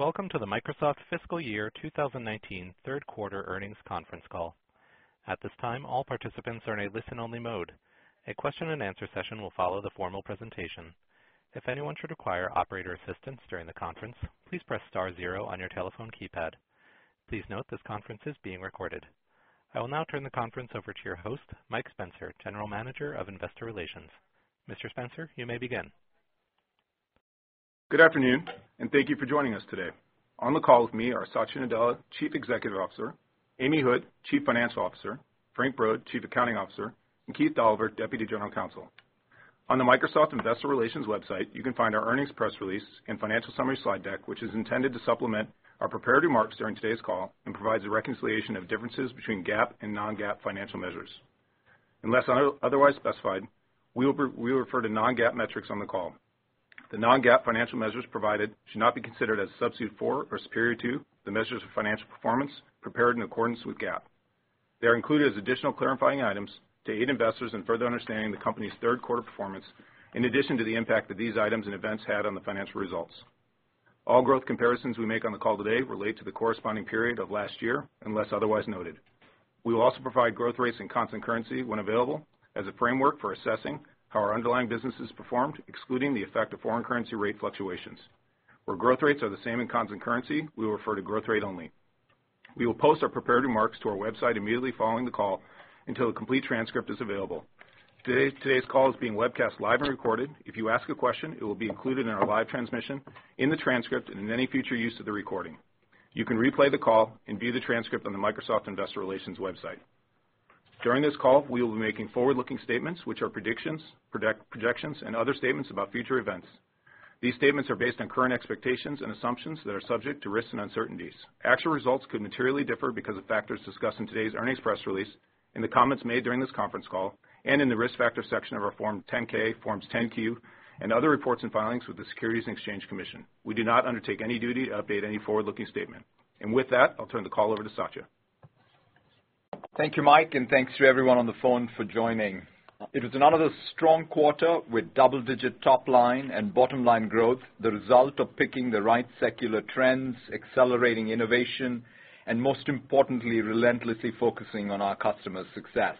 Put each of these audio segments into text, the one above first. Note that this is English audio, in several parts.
Thanks. Welcome to the Microsoft Fiscal Year 2019 third quarter earnings conference call. At this time, all participants are in a listen-only mode. A question and answer session will follow the formal presentation. If anyone should require operator assistance during the conference, please press star zero on your telephone keypad. Please note this conference is being recorded. I will now turn the conference over to your host, Mike Spencer, General Manager, Investor Relations. Mr. Spencer, you may begin. Good afternoon, and thank you for joining us today. On the call with me are Satya Nadella, Chief Executive Officer, Amy Hood, Chief Financial Officer, Frank Brod, Chief Accounting Officer, and Keith Dolliver, Deputy General Counsel. On the Microsoft Investor Relations website, you can find our earnings press release and financial summary slide deck, which is intended to supplement our prepared remarks during today's call and provides a reconciliation of differences between GAAP and non-GAAP financial measures. Unless otherwise specified, we will refer to non-GAAP metrics on the call. The non-GAAP financial measures provided should not be considered as substitute for or superior to the measures of financial performance prepared in accordance with GAAP. They are included as additional clarifying items to aid investors in further understanding the company's third quarter performance in addition to the impact that these items and events had on the financial results. All growth comparisons we make on the call today relate to the corresponding period of last year, unless otherwise noted. We will also provide growth rates and constant currency when available as a framework for assessing how our underlying businesses performed, excluding the effect of foreign currency rate fluctuations. Where growth rates are the same in constant currency, we will refer to growth rate only. We will post our prepared remarks to our website immediately following the call until a complete transcript is available. Today's call is being webcast live and recorded. If you ask a question, it will be included in our live transmission, in the transcript, and in any future use of the recording. You can replay the call and view the transcript on the Microsoft Investor Relations website. During this call, we will be making forward-looking statements, which are predictions, projections, and other statements about future events. These statements are based on current expectations and assumptions that are subject to risks and uncertainties. Actual results could materially differ because of factors discussed in today's earnings press release, in the comments made during this conference call, and in the Risk Factors section of our Form 10-K, Forms 10-Q, and other reports and filings with the Securities and Exchange Commission. We do not undertake any duty to update any forward-looking statement. With that, I'll turn the call over to Satya. Thank you, Mike, and thanks to everyone on the phone for joining. It was another strong quarter with double-digit top line and bottom line growth, the result of picking the right secular trends, accelerating innovation, and most importantly, relentlessly focusing on our customers' success.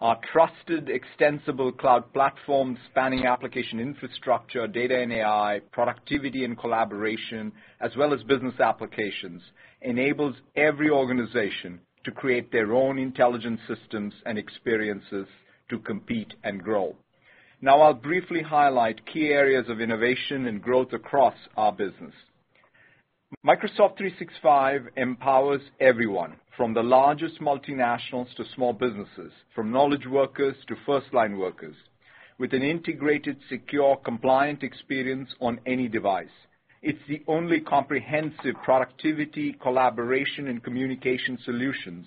Our trusted extensible cloud platform spanning application infrastructure, data and AI, productivity and collaboration, as well as business applications, enables every organization to create their own intelligence systems and experiences to compete and grow. I'll briefly highlight key areas of innovation and growth across our business. Microsoft 365 empowers everyone, from the largest multinationals to small businesses, from knowledge workers to first-line workers, with an integrated, secure, compliant experience on any device. It's the only comprehensive productivity, collaboration, and communication solutions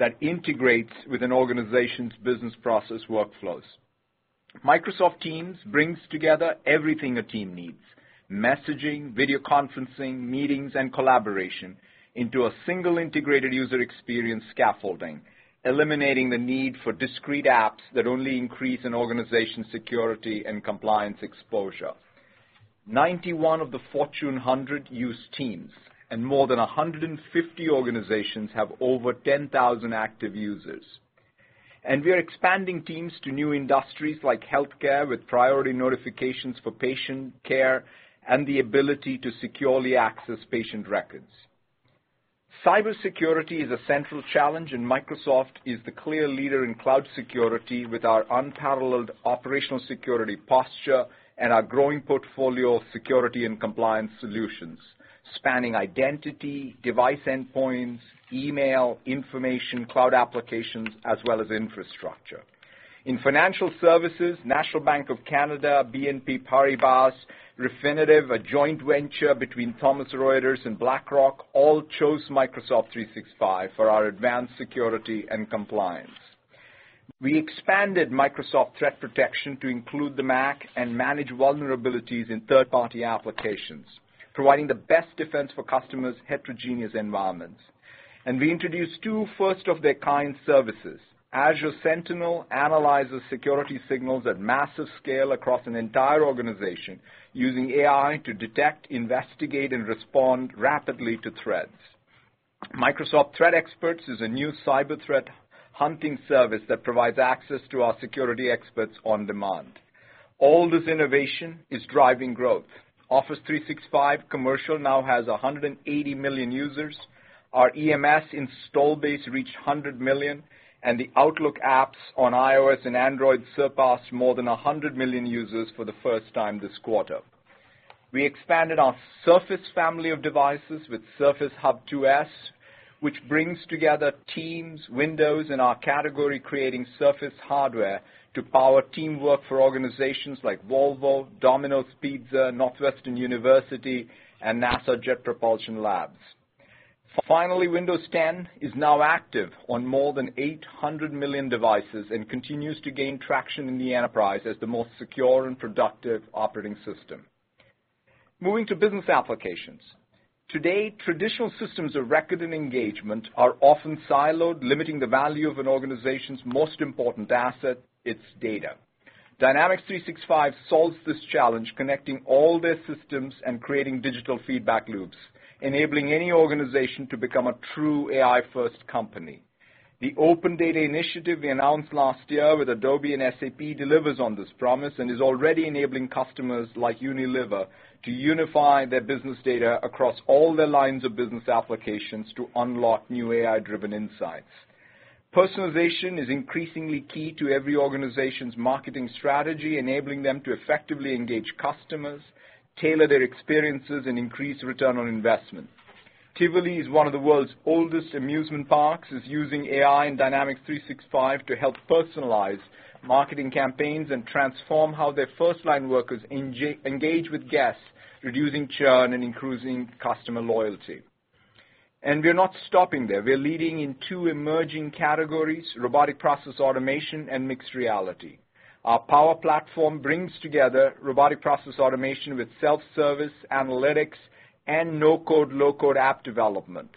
that integrates with an organization's business process workflows. Microsoft Teams brings together everything a team needs, messaging, video conferencing, meetings, and collaboration into a single integrated user experience scaffolding, eliminating the need for discrete apps that only increase an organization's security and compliance exposure. 91 of the Fortune 100 use Teams, and more than 150 organizations have over 10,000 active users. We are expanding Teams to new industries like healthcare with priority notifications for patient care and the ability to securely access patient records. Cybersecurity is a central challenge, and Microsoft is the clear leader in cloud security with our unparalleled operational security posture and our growing portfolio of security and compliance solutions, spanning identity, device endpoints, email, information, cloud applications, as well as infrastructure. In financial services, National Bank of Canada, BNP Paribas, Refinitiv, a joint venture between Thomson Reuters and BlackRock, all chose Microsoft 365 for our advanced security and compliance. We expanded Microsoft Threat Protection to include the Mac and manage vulnerabilities in third-party applications, providing the best defense for customers' heterogeneous environments. We introduced two first-of-their-kind services. Azure Sentinel analyzes security signals at massive scale across an entire organization using AI to detect, investigate, and respond rapidly to threats. Microsoft Threat Experts is a new cyber threat hunting service that provides access to our security experts on demand. All this innovation is driving growth. Office 365 Commercial now has 180 million users. Our EMS install base reached 100 million, and the Outlook apps on iOS and Android surpassed more than 100 million users for the first time this quarter. We expanded our Surface family of devices with Surface Hub 2S, which brings together Teams, Windows, and our category-creating Surface hardware to power teamwork for organizations like Volvo, Domino's Pizza, Northwestern University, and NASA Jet Propulsion Labs. Finally, Windows 10 is now active on more than 800 million devices and continues to gain traction in the enterprise as the most secure and productive operating system. Moving to business applications. Today, traditional systems of record and engagement are often siloed, limiting the value of an organization's most important asset, its data. Dynamics 365 solves this challenge, connecting all their systems and creating digital feedback loops, enabling any organization to become a true AI-first company. The Open Data Initiative we announced last year with Adobe and SAP delivers on this promise and is already enabling customers like Unilever to unify their business data across all their lines of business applications to unlock new AI-driven insights. Personalization is increasingly key to every organization's marketing strategy, enabling them to effectively engage customers, tailor their experiences, and increase return on investment. Tivoli is one of the world's oldest amusement parks, is using AI and Dynamics 365 to help personalize marketing campaigns and transform how their first-line workers engage with guests, reducing churn and increasing customer loyalty. We're not stopping there. We're leading in two emerging categories: robotic process automation and mixed reality. Our Power Platform brings together robotic process automation with self-service, analytics, and no-code, low-code app development.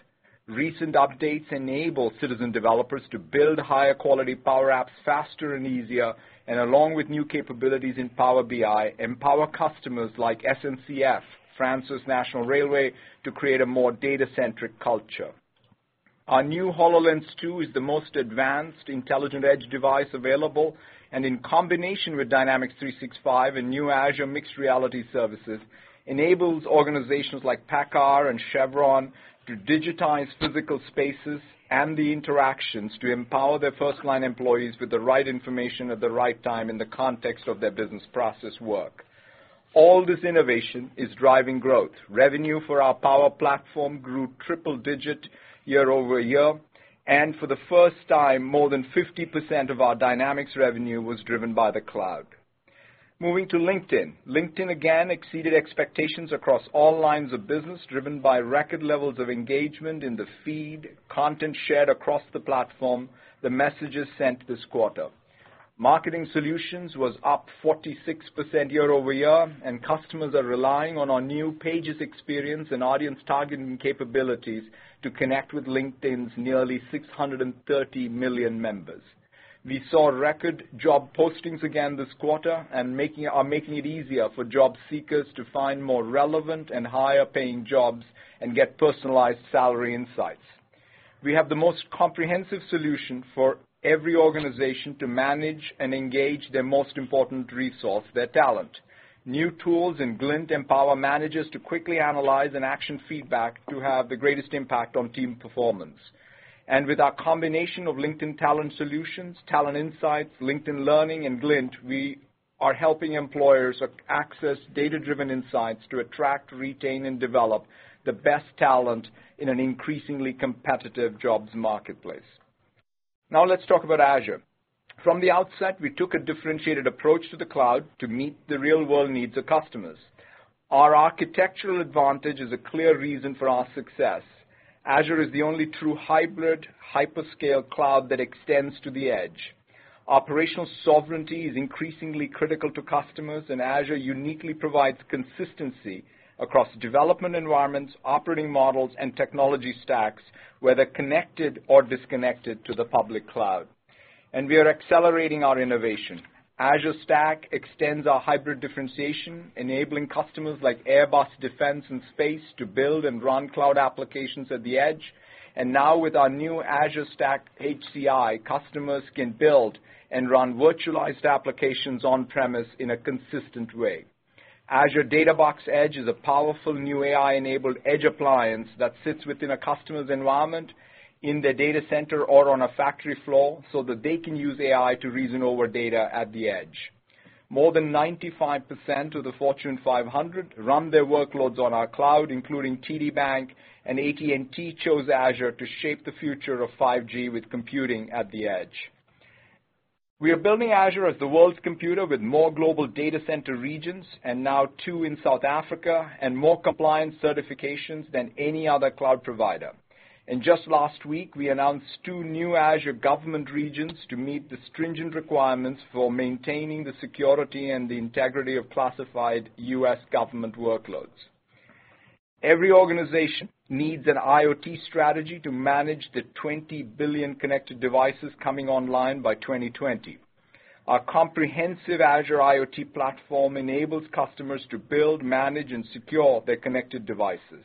Recent updates enable citizen developers to build higher quality Power Apps faster and easier, and along with new capabilities in Power BI, empower customers like SNCF, France's national railway, to create a more data-centric culture. Our new HoloLens 2 is the most advanced intelligent Edge device available, and in combination with Dynamics 365 and new Azure Mixed Reality services, enables organizations like PACCAR and Chevron to digitize physical spaces and the interactions to empower their first-line employees with the right information at the right time in the context of their business process work. All this innovation is driving growth. Revenue for our Power Platform grew triple-digit year-over-year, and for the first time, more than 50% of our Dynamics revenue was driven by the cloud. Moving to LinkedIn. LinkedIn again exceeded expectations across all lines of business, driven by record levels of engagement in the feed, content shared across the platform, the messages sent this quarter. Marketing Solutions was up 46% year-over-year, and customers are relying on our new Pages experience and audience targeting capabilities to connect with LinkedIn's nearly 630 million members. We saw record job postings again this quarter and are making it easier for job seekers to find more relevant and higher-paying jobs and get personalized salary insights. We have the most comprehensive solution for every organization to manage and engage their most important resource, their talent. New tools in Glint empower managers to quickly analyze and action feedback to have the greatest impact on team performance. With our combination of LinkedIn Talent Solutions, Talent Insights, LinkedIn Learning, and Glint, we are helping employers access data-driven insights to attract, retain, and develop the best talent in an increasingly competitive jobs marketplace. Let's talk about Azure. From the outset, we took a differentiated approach to the cloud to meet the real-world needs of customers. Our architectural advantage is a clear reason for our success. Azure is the only true hybrid, hyperscale cloud that extends to the Edge. Operational sovereignty is increasingly critical to customers, and Azure uniquely provides consistency across development environments, operating models, and technology stacks, whether connected or disconnected to the public cloud. We are accelerating our innovation. Azure Stack extends our hybrid differentiation, enabling customers like Airbus Defence and Space to build and run cloud applications at the Edge. Now with our new Azure Stack HCI, customers can build and run virtualized applications on-premises in a consistent way. Azure Data Box Edge is a powerful new AI-enabled Edge appliance that sits within a customer's environment in their data center or on a factory floor so that they can use AI to reason over data at the Edge. More than 95% of the Fortune 500 run their workloads on our cloud, including TD Bank, AT&T chose Azure to shape the future of 5G with computing at the Edge. We are building Azure as the world's computer with more global data center regions, and now two in South Africa, and more compliance certifications than any other cloud provider. Just last week, we announced two new Azure Government regions to meet the stringent requirements for maintaining the security and the integrity of classified U.S. government workloads. Every organization needs an IoT strategy to manage the 20 billion connected devices coming online by 2020. Our comprehensive Azure IoT platform enables customers to build, manage, and secure their connected devices.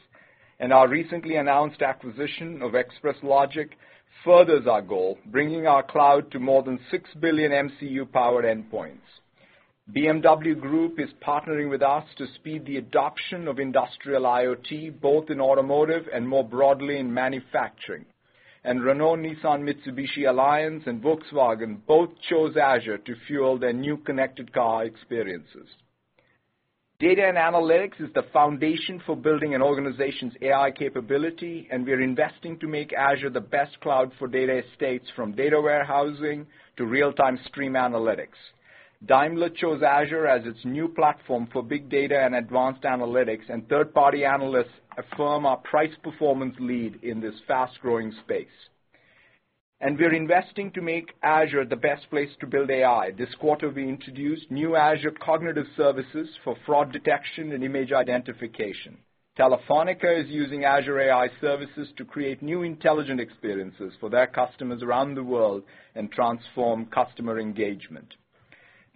Our recently announced acquisition of Express Logic furthers our goal, bringing our cloud to more than six billion MCU-powered endpoints. BMW Group is partnering with us to speed the adoption of industrial IoT, both in automotive and more broadly in manufacturing. Renault-Nissan-Mitsubishi Alliance and Volkswagen both chose Azure to fuel their new connected car experiences. Data and analytics is the foundation for building an organization's AI capability, and we're investing to make Azure the best cloud for data estates from data warehousing to real-time stream analytics. Daimler chose Azure as its new platform for big data and advanced analytics, and third-party analysts affirm our price-performance lead in this fast-growing space. We're investing to make Azure the best place to build AI. This quarter, we introduced new Azure Cognitive Services for fraud detection and image identification. Telefónica is using Azure AI services to create new intelligent experiences for their customers around the world and transform customer engagement.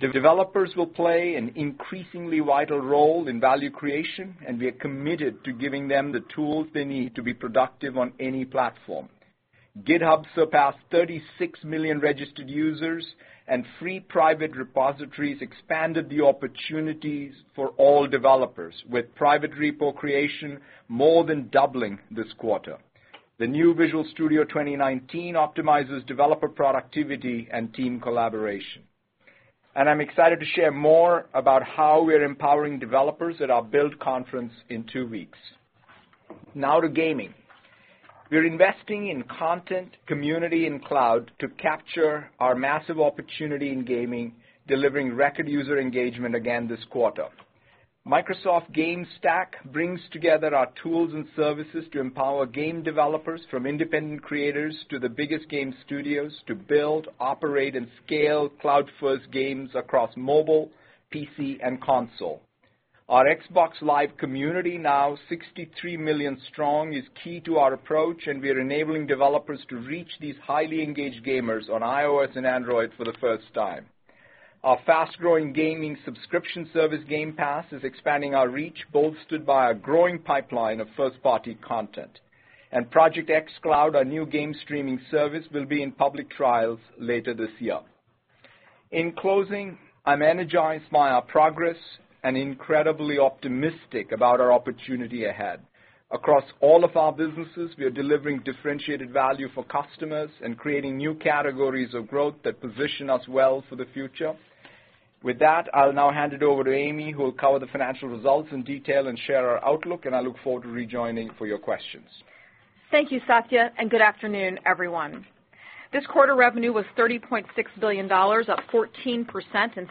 The developers will play an increasingly vital role in value creation, and we are committed to giving them the tools they need to be productive on any platform. GitHub surpassed 36 million registered users, and free private repositories expanded the opportunities for all developers with private repo creation more than doubling this quarter. The new Visual Studio 2019 optimizes developer productivity and team collaboration. I'm excited to share more about how we are empowering developers at our Microsoft Build Conference in two weeks. Now to gaming. We're investing in content, community, and cloud to capture our massive opportunity in gaming, delivering record user engagement again this quarter. Microsoft Game Stack brings together our tools and services to empower game developers from independent creators to the biggest game studios to build, operate, and scale cloud-first games across mobile, PC, and console. Our Xbox Live community, now 63 million strong, is key to our approach. We are enabling developers to reach these highly engaged gamers on iOS and Android for the first time. Our fast-growing gaming subscription service, Game Pass, is expanding our reach, bolstered by a growing pipeline of first-party content. Project xCloud, our new game streaming service, will be in public trials later this year. In closing, I'm energized by our progress and incredibly optimistic about our opportunity ahead. Across all of our businesses, we are delivering differentiated value for customers and creating new categories of growth that position us well for the future. With that, I'll now hand it over to Amy, who will cover the financial results in detail and share our outlook, and I look forward to rejoining for your questions. Thank you, Satya. Good afternoon, everyone. This quarter revenue was $30.6 billion, up 14% and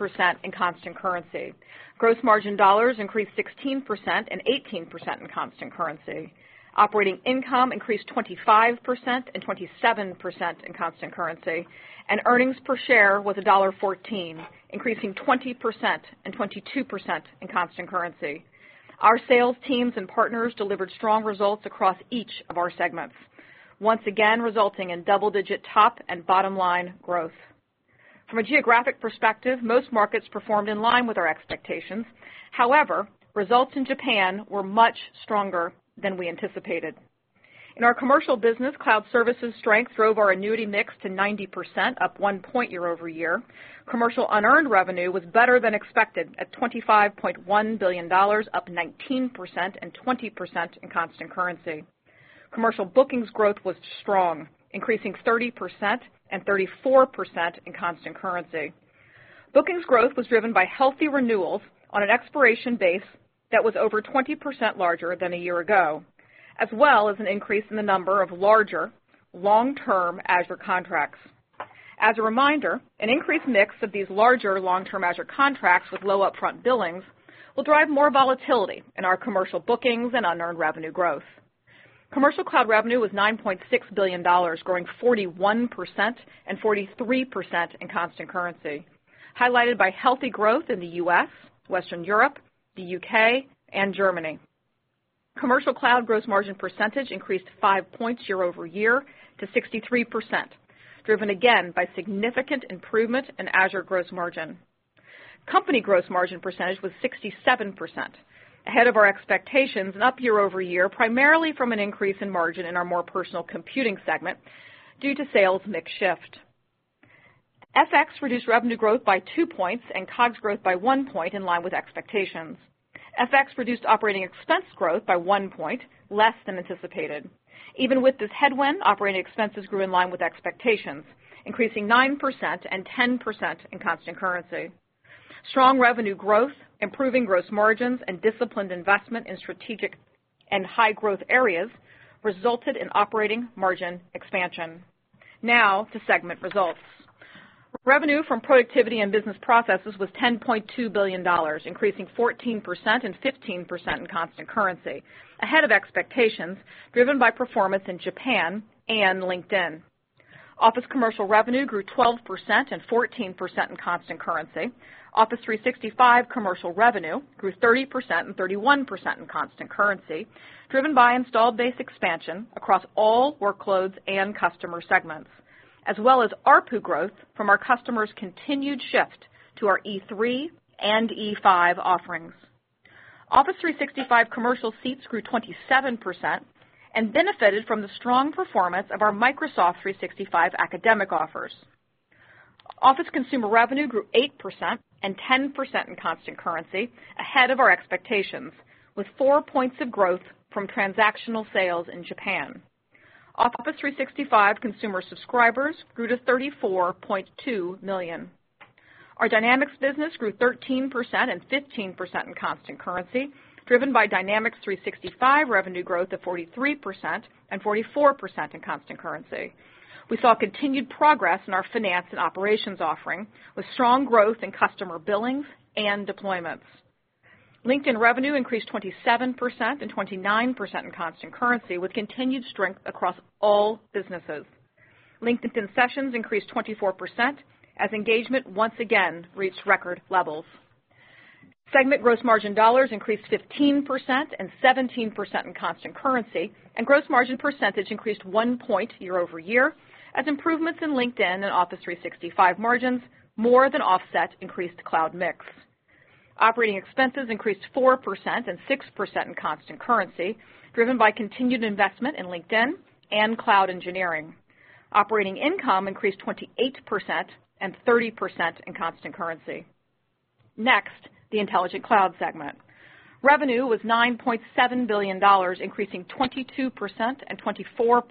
16% in constant currency. Gross margin dollars increased 16% and 18% in constant currency. Operating income increased 25% and 27% in constant currency. Earnings per share was $1.14, increasing 20% and 22% in constant currency. Our sales teams and partners delivered strong results across each of our segments, once again resulting in double-digit top and bottom-line growth. From a geographic perspective, most markets performed in line with our expectations. However, results in Japan were much stronger than we anticipated. In our commercial business, cloud services strength drove our annuity mix to 90%, up 1 point year-over-year. Commercial unearned revenue was better than expected at $25.1 billion, up 19% and 20% in constant currency. Commercial bookings growth was strong, increasing 30% and 34% in constant currency. Bookings growth was driven by healthy renewals on an expiration base that was over 20% larger than a year ago, as well as an increase in the number of larger long-term Azure contracts. As a reminder, an increased mix of these larger long-term Azure contracts with low upfront billings will drive more volatility in our commercial bookings and unearned revenue growth. Commercial cloud revenue was $9.6 billion, growing 41% and 43% in constant currency, highlighted by healthy growth in the U.S., Western Europe, the U.K., and Germany. Commercial cloud gross margin percentage increased 5 points year-over-year to 63%, driven again by significant improvement in Azure gross margin. Company gross margin percentage was 67%, ahead of our expectations and up year-over-year, primarily from an increase in margin in our More Personal Computing segment due to sales mix shift. FX reduced revenue growth by 2 points and COGS growth by 1 point in line with expectations. FX reduced operating expense growth by 1 point less than anticipated. Even with this headwind, operating expenses grew in line with expectations, increasing 9% and 10% in constant currency. Strong revenue growth, improving gross margins, and disciplined investment in strategic and high-growth areas resulted in operating margin expansion. Now to segment results. Revenue from Productivity and Business Processes was $10.2 billion, increasing 14% and 15% in constant currency, ahead of expectations driven by performance in Japan and LinkedIn. Office commercial revenue grew 12% and 14% in constant currency. Office 365 Commercial revenue grew 30% and 31% in constant currency, driven by installed base expansion across all workloads and customer segments, as well as ARPU growth from our customers' continued shift to our E3 and E5 offerings. Office 365 Commercial seats grew 27% and benefited from the strong performance of our Microsoft 365 academic offers. Office consumer revenue grew 8% and 10% in constant currency ahead of our expectations, with four points of growth from transactional sales in Japan. Office 365 Consumer subscribers grew to 34.2 million. Our Dynamics business grew 13% and 15% in constant currency, driven by Dynamics 365 revenue growth of 43% and 44% in constant currency. We saw continued progress in our Finance and Operations offering with strong growth in customer billings and deployments. LinkedIn revenue increased 27% and 29% in constant currency, with continued strength across all businesses. LinkedIn sessions increased 24% as engagement once again reached record levels. Segment gross margin dollars increased 15% and 17% in constant currency, and gross margin percentage increased one point year-over-year as improvements in LinkedIn and Office 365 margins more than offset increased cloud mix. Operating expenses increased 4% and 6% in constant currency, driven by continued investment in LinkedIn and cloud engineering. Operating income increased 28% and 30% in constant currency. Next, the Intelligent Cloud segment. Revenue was $9.7 billion, increasing 22% and 24%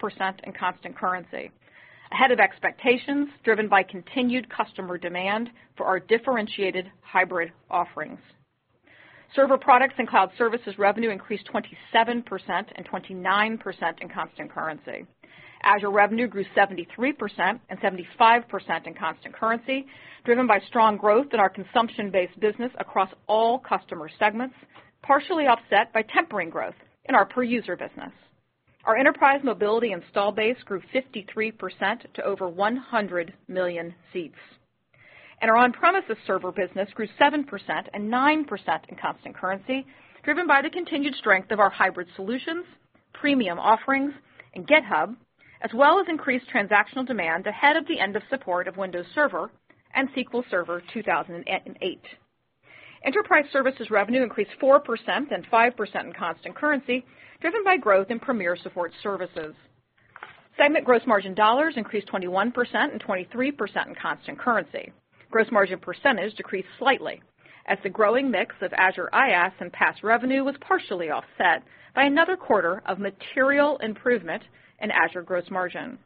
in constant currency. Ahead of expectations, driven by continued customer demand for our differentiated hybrid offerings. Server products and cloud services revenue increased 27% and 29% in constant currency. Azure revenue grew 73% and 75% in constant currency, driven by strong growth in our consumption-based business across all customer segments, partially offset by tempering growth in our per-user business. Our Enterprise Mobility install base grew 53% to over 100 million seats. Our on-premises server business grew 7% and 9% in constant currency, driven by the continued strength of our hybrid solutions, premium offerings, and GitHub, as well as increased transactional demand ahead of the end of support of Windows Server and SQL Server 2008. Enterprise services revenue increased 4% and 5% in constant currency, driven by growth in premier support services. Segment gross margin dollars increased 21% and 23% in constant currency. Gross margin percentage decreased slightly as the growing mix of Azure IaaS and PaaS revenue was partially offset by another quarter of material improvement in Azure gross margin.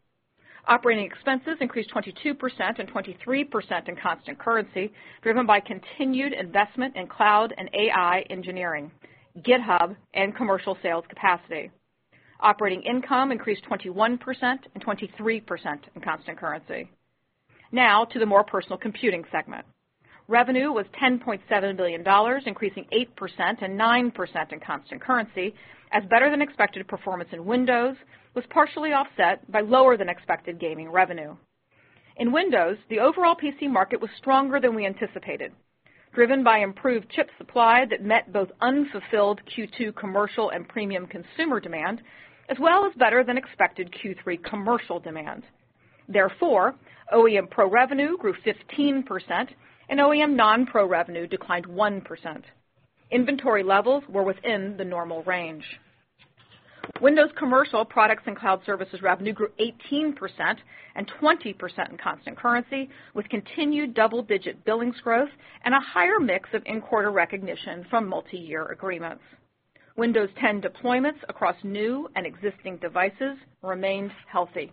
Operating expenses increased 22% and 23% in constant currency, driven by continued investment in cloud and AI engineering, GitHub, and commercial sales capacity. Operating income increased 21% and 23% in constant currency. Now to the more personal computing segment. Revenue was $10.7 billion, increasing 8% and 9% in constant currency as better than expected performance in Windows was partially offset by lower than expected gaming revenue. In Windows, the overall PC market was stronger than we anticipated, driven by improved chip supply that met both unfulfilled Q2 commercial and premium consumer demand, as well as better than expected Q3 commercial demand. Therefore, OEM pro revenue grew 15%, and OEM non-pro revenue declined 1%. Inventory levels were within the normal range. Windows Commercial Products and Cloud Services revenue grew 18% and 20% in constant currency, with continued double-digit billings growth and a higher mix of in-quarter recognition from multi-year agreements. Windows 10 deployments across new and existing devices remains healthy.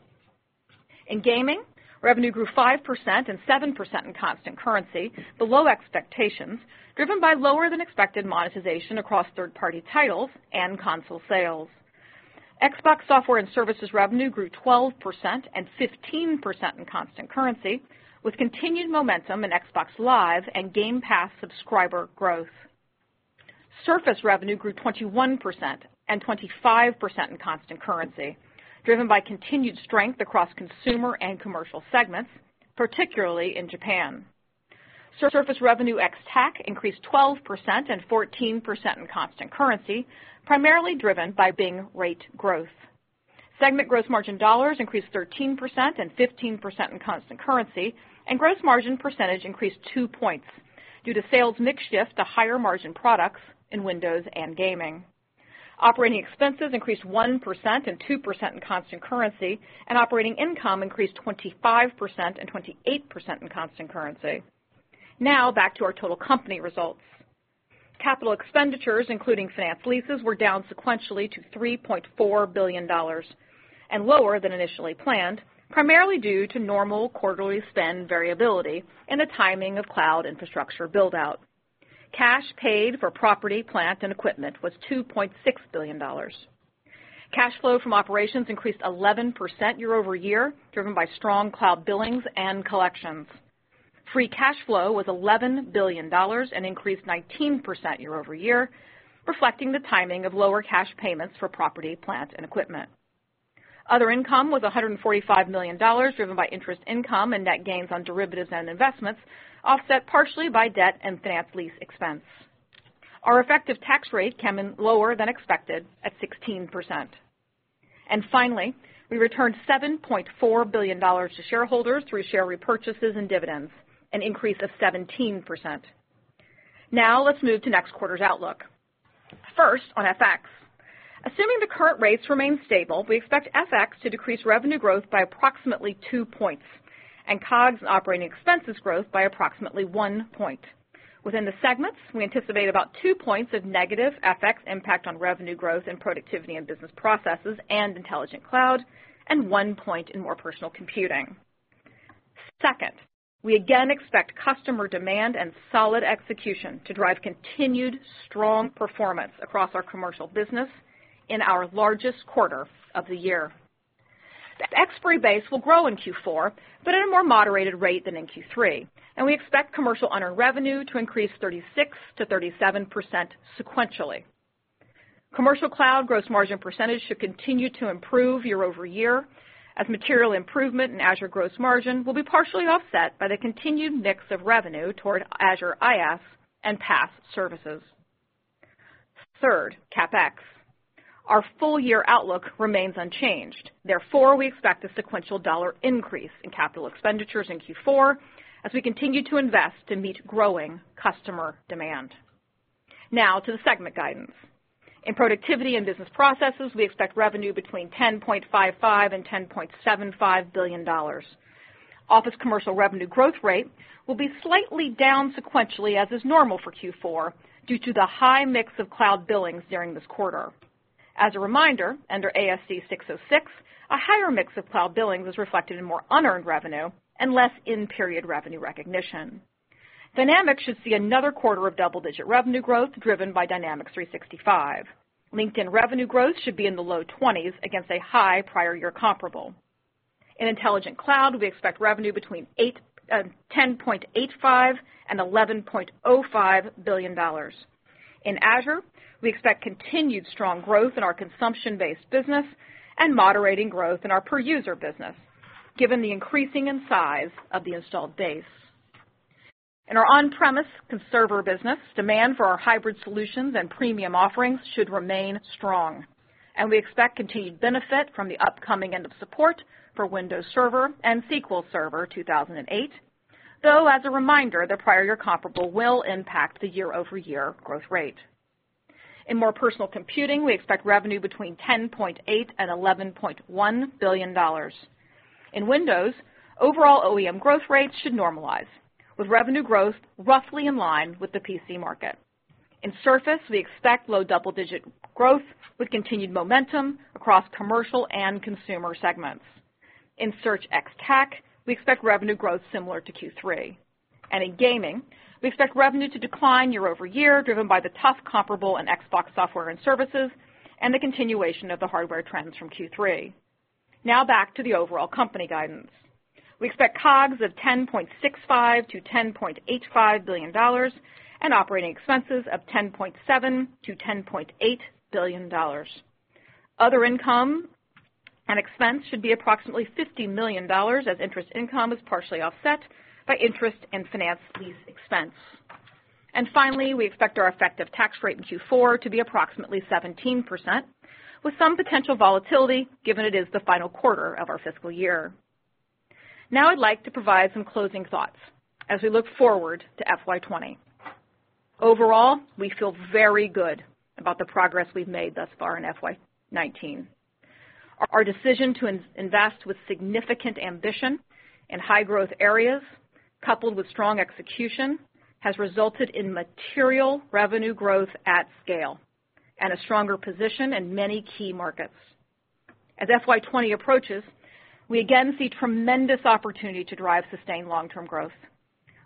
In gaming, revenue grew 5% and 7% in constant currency below expectations, driven by lower than expected monetization across third-party titles and console sales. Xbox software and services revenue grew 12% and 15% in constant currency with continued momentum in Xbox Live and Game Pass subscriber growth. Surface revenue grew 21% and 25% in constant currency, driven by continued strength across consumer and commercial segments, particularly in Japan. Surface revenue ex-TAC increased 12% and 14% in constant currency, primarily driven by Bing rate growth. Segment gross margin dollars increased 13% and 15% in constant currency, and gross margin percentage increased 2 points due to sales mix shift to higher margin products in Windows and gaming. Operating expenses increased 1% and 2% in constant currency, and operating income increased 25% and 28% in constant currency. Now, back to our total company results. Capital expenditures, including finance leases, were down sequentially to $3.4 billion and lower than initially planned, primarily due to normal quarterly spend variability and the timing of cloud infrastructure build-out. Cash paid for property, plant, and equipment was $2.6 billion. Cash flow from operations increased 11% year-over-year, driven by strong cloud billings and collections. Free cash flow was $11 billion and increased 19% year-over-year, reflecting the timing of lower cash payments for property, plant, and equipment. Other income was $145 million, driven by interest income and net gains on derivatives and investments, offset partially by debt and finance lease expense. Our effective tax rate came in lower than expected at 16%. Finally, we returned $7.4 billion to shareholders through share repurchases and dividends, an increase of 17%. Let's move to next quarter's outlook. On FX. Assuming the current rates remain stable, we expect FX to decrease revenue growth by approximately 2 points and COGS and operating expenses growth by approximately 1 point. Within the segments, we anticipate about 2 points of negative FX impact on revenue growth in Productivity and Business Processes and Intelligent Cloud, and 1 point in More Personal Computing. Second, we again expect customer demand and solid execution to drive continued strong performance across our commercial business in our largest quarter of the year. Ex-FX base will grow in Q4, but at a more moderated rate than in Q3. We expect commercial unearned revenue to increase 36%-37% sequentially. Commercial cloud gross margin percentage should continue to improve year-over-year as material improvement in Azure gross margin will be partially offset by the continued mix of revenue toward Azure IaaS and PaaS services. Third, CapEx. Our full-year outlook remains unchanged. Therefore, we expect a sequential dollar increase in capital expenditures in Q4 as we continue to invest to meet growing customer demand. Now, to the segment guidance. In productivity and business processes, we expect revenue between $10.55 billion-$10.75 billion. Office commercial revenue growth rate will be slightly down sequentially, as is normal for Q4, due to the high mix of cloud billings during this quarter. As a reminder, under ASC 606, a higher mix of cloud billings is reflected in more unearned revenue and less in-period revenue recognition. Dynamics should see another quarter of double-digit revenue growth driven by Dynamics 365. LinkedIn revenue growth should be in the low 20s against a high prior year comparable. In Intelligent Cloud, we expect revenue between $10.85 billion and $11.05 billion. In Azure, we expect continued strong growth in our consumption-based business and moderating growth in our per-user business, given the increasing in size of the installed base. In our on-premise server business, demand for our hybrid solutions and premium offerings should remain strong, and we expect continued benefit from the upcoming end of support for Windows Server and SQL Server 2008. As a reminder, the prior year comparable will impact the year-over-year growth rate. In More Personal Computing, we expect revenue between $10.8 billion and $11.1 billion. In Windows, overall OEM growth rates should normalize, with revenue growth roughly in line with the PC market. In Surface, we expect low double-digit growth with continued momentum across commercial and consumer segments. In Search ex-TAC, we expect revenue growth similar to Q3. In gaming, we expect revenue to decline year-over-year, driven by the tough comparable in Xbox software and services and the continuation of the hardware trends from Q3. Back to the overall company guidance. We expect COGS of $10.65 billion-$10.85 billion and operating expenses of $10.7 billion-$10.8 billion. Other income and expense should be approximately $50 million, as interest income is partially offset by interest and finance lease expense. Finally, we expect our effective tax rate in Q4 to be approximately 17%, with some potential volatility, given it is the final quarter of our fiscal year. I'd like to provide some closing thoughts as we look forward to FY 2020. Overall, we feel very good about the progress we've made thus far in FY 2019. Our decision to invest with significant ambition in high-growth areas coupled with strong execution has resulted in material revenue growth at scale and a stronger position in many key markets. As FY 2020 approaches, we again see tremendous opportunity to drive sustained long-term growth.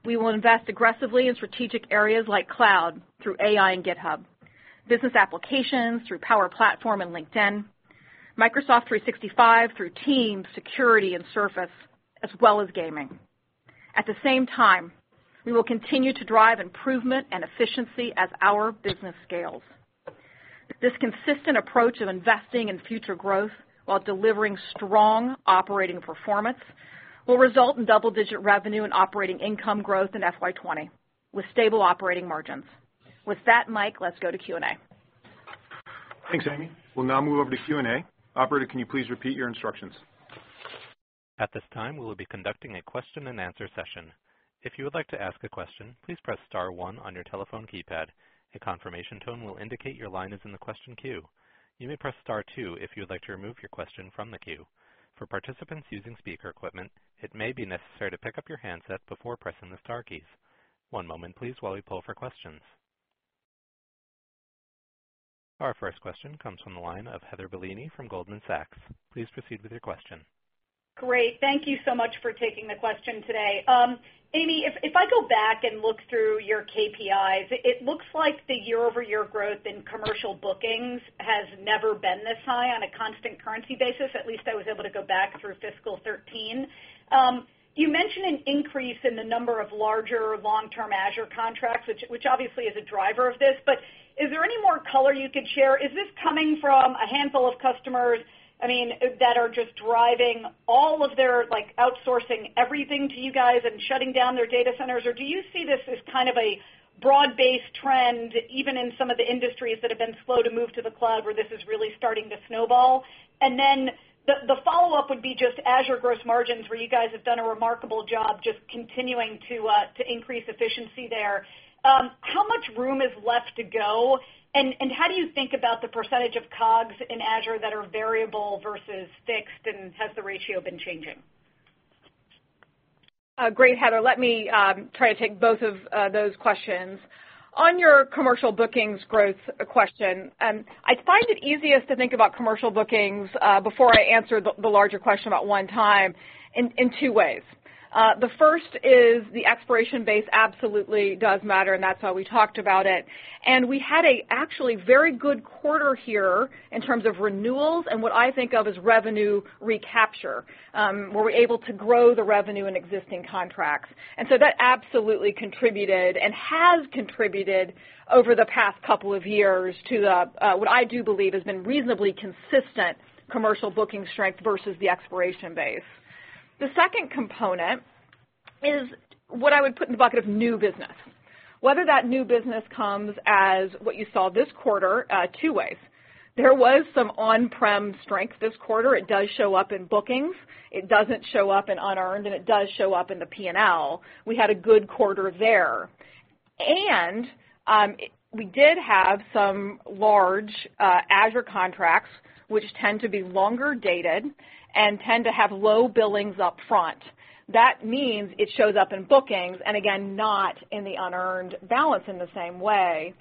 We will invest aggressively in strategic areas like cloud through AI and GitHub, business applications through Power Platform and LinkedIn, Microsoft 365 through Teams, security and Surface, as well as gaming. At the same time, we will continue to drive improvement and efficiency as our business scales. This consistent approach of investing in future growth while delivering strong operating performance will result in double-digit revenue and operating income growth in FY 2020, with stable operating margins. With that, Mike, let's go to Q&A. Thanks, Amy. We'll now move over to Q&A. Operator, can you please repeat your instructions? At this time, we will be conducting a question-and-answer session. If you would like to ask a question, please press star one on your telephone keypad. A confirmation tone will indicate your line is in the question queue. You may press star two if you'd like to remove your question from the queue. For participants using speaker equipment, it may be necessary to pick up your handset before pressing the star keys. One moment please while we [poll] for questions. Our first question comes from the line of Heather Bellini from Goldman Sachs. Please proceed with your question. Great. Thank you so much for taking the question today. Amy, if I go back and look through your KPIs, it looks like the year-over-year growth in commercial bookings has never been this high on a constant currency basis. At least I was able to go back through fiscal 2013. You mentioned an increase in the number of larger long-term Azure contracts, which obviously is a driver of this. Is there any more color you could share? Is this coming from a handful of customers, I mean, that are just driving all of their, like, outsourcing everything to you guys and shutting down their data centers, or do you see this as kind of a broad-based trend, even in some of the industries that have been slow to move to the cloud, where this is really starting to snowball? The follow-up would be just Azure gross margins, where you guys have done a remarkable job just continuing to increase efficiency there. How much room is left to go, and how do you think about the percentage of COGS in Azure that are variable versus fixed, and has the ratio been changing? Great, Heather. Let me try to take both of those questions. On your commercial bookings growth question, I find it easiest to think about commercial bookings before I answer the larger question about one time in two ways. The first is the expiration base absolutely does matter, and that's how we talked about it. We had a actually very good quarter here in terms of renewals and what I think of as revenue recapture, where we're able to grow the revenue in existing contracts. That absolutely contributed and has contributed over the past couple of years to the what I do believe has been reasonably consistent commercial booking strength versus the expiration base. The second component is what I would put in the bucket of new business, whether that new business comes as what you saw this quarter, two ways. There was some on-prem strength this quarter. It does show up in bookings. It doesn't show up in unearned, and it does show up in the P&L. We had a good quarter there. We did have some large Azure contracts, which tend to be longer dated and tend to have low billings upfront. That means it shows up in bookings and again, not in the unearned balance in the same way.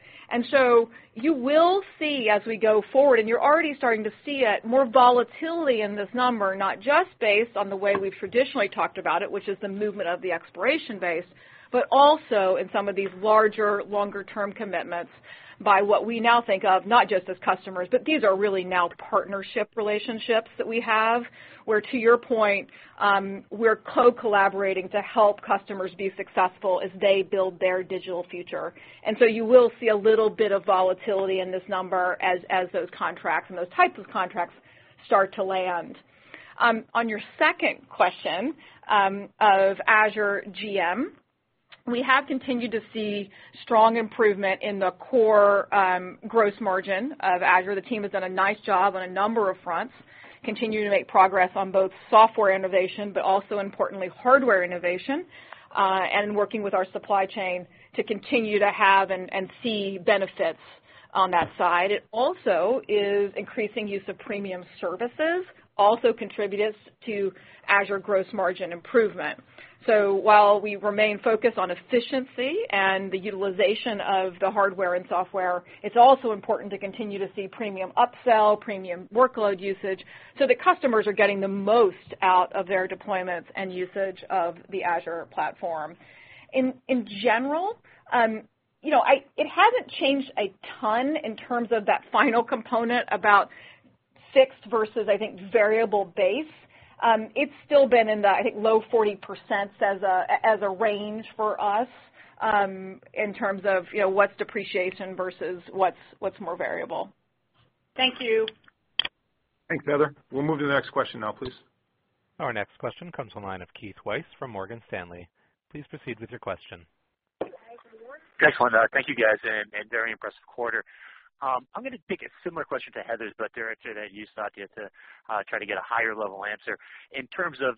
You will see as we go forward, and you're already starting to see it, more volatility in this number, not just based on the way we've traditionally talked about it, which is the movement of the expiration base, but also in some of these larger, longer term commitments by what we now think of not just as customers, but these are really now partnership relationships that we have, where to your point, we're co-collaborating to help customers be successful as they build their digital future. You will see a little bit of volatility in this number as those contracts and those types of contracts start to land. On your second question of Azure GM, we have continued to see strong improvement in the core gross margin of Azure. The team has done a nice job on a number of fronts, continuing to make progress on both software innovation, but also importantly, hardware innovation, and working with our supply chain to continue to have and see benefits on that side. It also is increasing use of premium services, also contributive to Azure gross margin improvement. While we remain focused on efficiency and the utilization of the hardware and software, it's also important to continue to see premium upsell, premium workload usage, so that customers are getting the most out of their deployments and usage of the Azure platform. In general, you know, it hasn't changed a ton in terms of that final component about fixed versus, I think, variable base. It's still been in the, I think, low 40% as a, as a range for us, in terms of, you know, what's depreciation versus what's more variable. Thank you. Thanks, Heather. We'll move to the next question now, please. Our next question comes from line of Keith Weiss from Morgan Stanley. Please proceed with your question. Thanks. Thank you, guys, and very impressive quarter. I'm gonna take a similar question to Heather's, but directed at you, Satya, to try to get a higher level answer. In terms of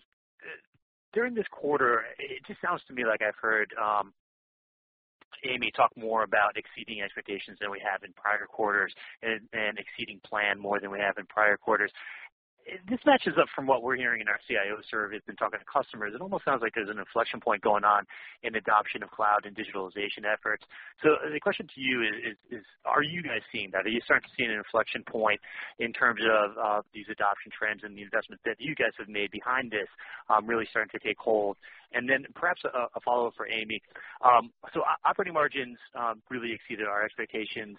during this quarter, it just sounds to me like I've heard Amy talk more about exceeding expectations than we have in prior quarters and exceeding plan more than we have in prior quarters. This matches up from what we're hearing in our CIO surveys and talking to customers. It almost sounds like there's an inflection point going on in adoption of cloud and digitalization efforts. The question to you is, are you guys seeing that? Are you starting to see an inflection point in terms of these adoption trends and the investments that you guys have made behind this really starting to take hold? Perhaps a follow-up for Amy. Operating margins really exceeded our expectations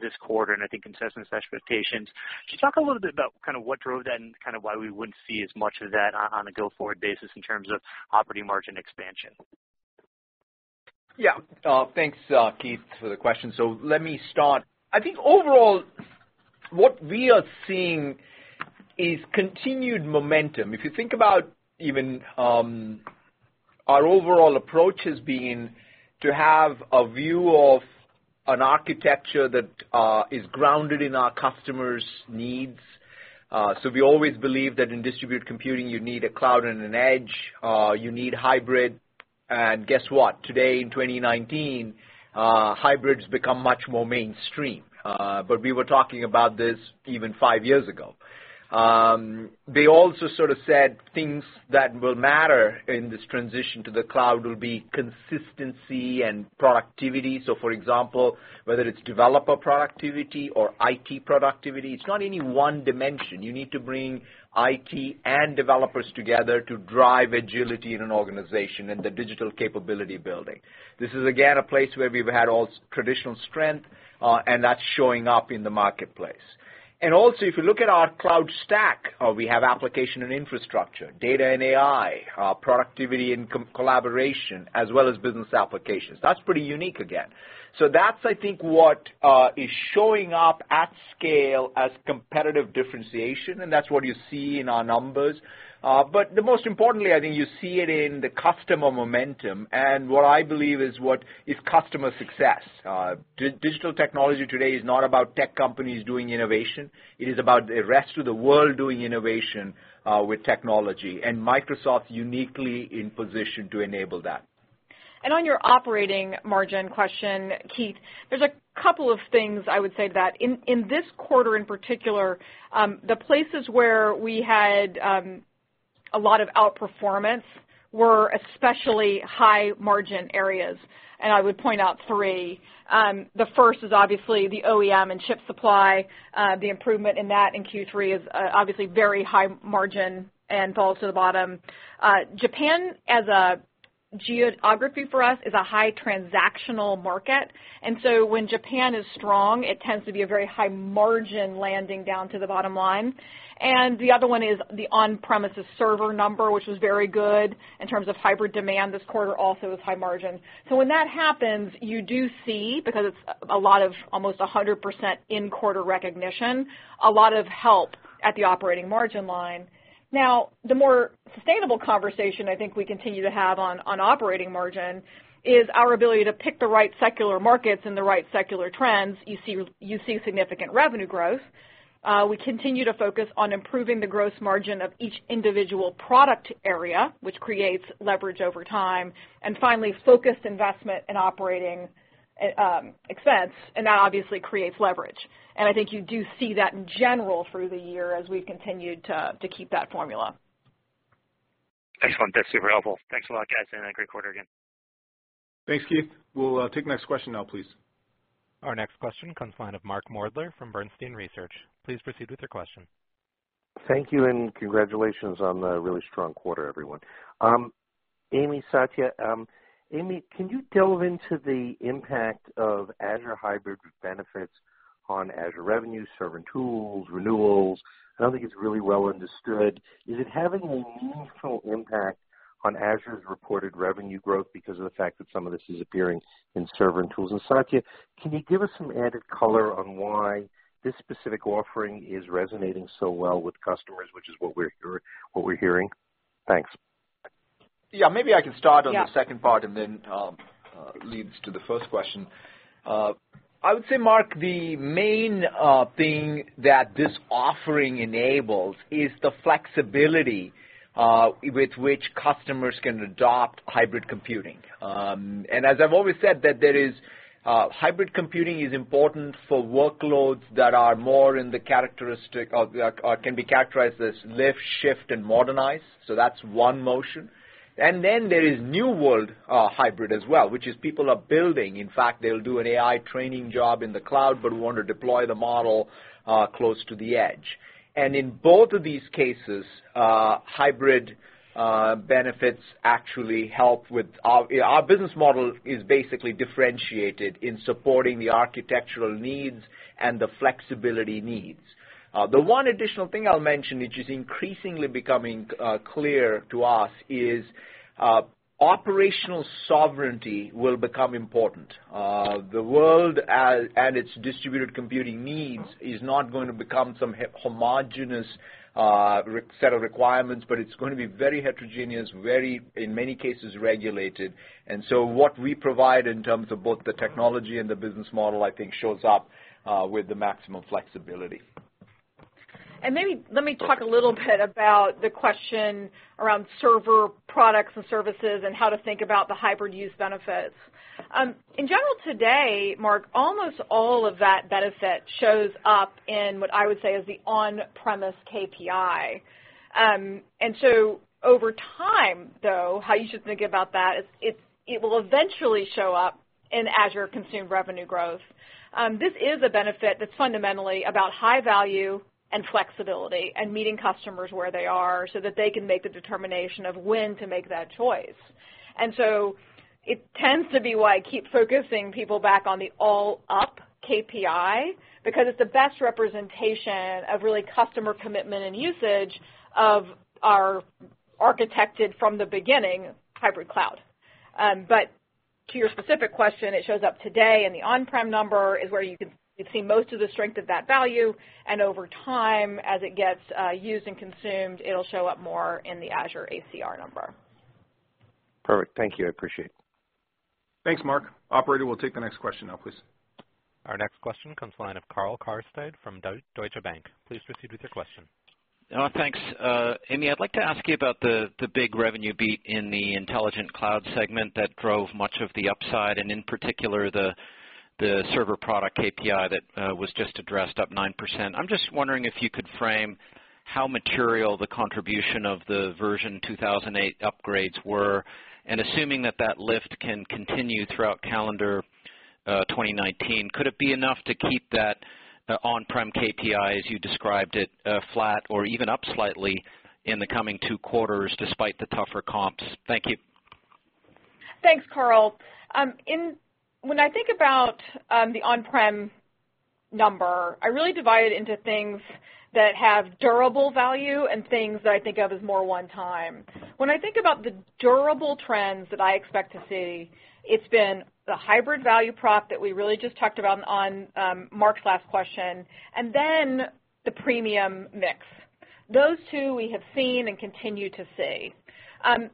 this quarter, and I think consensus expectations. Could you talk a little bit about what drove that and why we wouldn't see as much of that on a go-forward basis in terms of operating margin expansion? Yeah. Thanks, Keith, for the question. Let me start. I think overall, what we are seeing is continued momentum. If you think about even our overall approach as being to have a view of an architecture that is grounded in our customers' needs. We always believe that in distributed computing, you need a cloud and an edge, you need hybrid. Guess what? Today, in 2019, hybrid's become much more mainstream, but we were talking about this even five years ago. They also sort of said things that will matter in this transition to the cloud will be consistency and productivity. For example, whether it's developer productivity or IT productivity, it's not any one dimension. You need to bring IT and developers together to drive agility in an organization and the digital capability building. This is, again, a place where we've had all traditional strength, that's showing up in the marketplace. Also, if you look at our cloud stack, we have application and infrastructure, data and AI, productivity and collaboration, as well as business applications. That's pretty unique again. That's, I think, what is showing up at scale as competitive differentiation, and that's what you see in our numbers. The most importantly, I think you see it in the customer momentum, and what I believe is what is customer success. Digital technology today is not about tech companies doing innovation. It is about the rest of the world doing innovation with technology, Microsoft's uniquely in position to enable that. On your operating margin question, Keith, there's a couple of things I would say that in this quarter in particular, the places where we had a lot of outperformance were especially high margin areas, and I would point out three. The first is obviously the OEM and chip supply. The improvement in that in Q3 is obviously very high margin and falls to the bottom. Japan as a geography for us is a high transactional market. When Japan is strong, it tends to be a very high margin landing down to the bottom line. The other one is the on-premises server number, which was very good in terms of hybrid demand this quarter, also with high margin. When that happens, you do see, because it's a lot of almost 100% in quarter recognition, a lot of help at the operating margin line. The more sustainable conversation I think we continue to have on operating margin is our ability to pick the right secular markets and the right secular trends. You see significant revenue growth. We continue to focus on improving the gross margin of each individual product area, which creates leverage over time. Finally, focused investment in operating expense, and that obviously creates leverage. I think you do see that in general, through the year, as we've continued to keep that formula. Excellent. That's super helpful. Thanks a lot, guys, and great quarter again. Thanks, Keith. We'll take the next question now, please. Our next question comes line of Mark Moerdler from Bernstein Research. Please proceed with your question. Thank you, and congratulations on a really strong quarter, everyone. Amy, Satya, Amy, can you delve into the impact of Azure Hybrid Benefits on Azure revenue, server tools, renewals? I don't think it's really well understood. Is it having a meaningful impact on Azure's reported revenue growth because of the fact that some of this is appearing in server and tools? Satya, can you give us some added color on why this specific offering is resonating so well with customers, which is what we're hearing? Thanks. Yeah, maybe I can start on the second part. Yeah Then leads to the first question. I would say, Mark, the main thing that this offering enables is the flexibility with which customers can adopt hybrid computing. As I've always said that there is hybrid computing is important for workloads that are more in the characteristic of, or can be characterized as lift, shift, and modernize, that's one motion. There is new world hybrid as well, which is people are building. In fact, they'll do an AI training job in the cloud but want to deploy the model close to the edge. In both of these cases, hybrid benefits actually help with... Our business model is basically differentiated in supporting the architectural needs and the flexibility needs. The one additional thing I'll mention, which is increasingly becoming clear to us, is operational sovereignty will become important. The world, and its distributed computing needs is not going to become some homogenous set of requirements, but it's going to be very heterogeneous, very, in many cases, regulated. What we provide in terms of both the technology and the business model, I think, shows up with the maximum flexibility. Maybe let me talk a little bit about the question around server products and services and how to think about the hybrid use benefits. In general today, Mark, almost all of that benefit shows up in what I would say is the on-premise KPI. Over time, though, how you should think about that is it will eventually show up in Azure consumed revenue growth. This is a benefit that's fundamentally about high value and flexibility and meeting customers where they are so that they can make the determination of when to make that choice. It tends to be why I keep focusing people back on the all-up KPI because it's the best representation of really customer commitment and usage of our architected from the beginning hybrid cloud. To your specific question, it shows up today in the on-prem number is where you'd see most of the strength of that value. Over time, as it gets used and consumed, it'll show up more in the Azure ACR number. Perfect. Thank you. I appreciate it. Thanks, Mark. Operator, we'll take the next question now, please. Our next question comes the line of Karl Keirstead from Deutsche Bank. Please proceed with your question. Thanks, Amy, I'd like to ask you about the big revenue beat in the Intelligent Cloud segment that drove much of the upside, and in particular, the server product KPI that was just addressed, up 9%. I'm just wondering if you could frame how material the contribution of the version 2008 upgrades were. Assuming that that lift can continue throughout calendar 2019, could it be enough to keep the on-prem KPI as you described it, flat or even up slightly in the coming two quarters despite the tougher comps? Thank you. Thanks, Karl. When I think about the on-prem number, I really divide it into things that have durable value and things that I think of as more one time. When I think about the durable trends that I expect to see, it's been the hybrid value prop that we really just talked about on Mark's last question, and then the premium mix. Those two we have seen and continue to see.